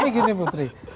tapi gini putri